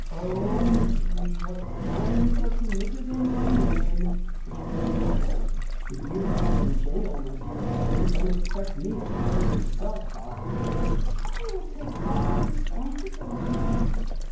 "O Mystery, what crimes are committed in thy name," Louise warbled. "If you land in jail, my dear Penny, don't expect me to share your cell cot." "I'll take all the responsibility."